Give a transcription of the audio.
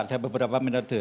ada beberapa menede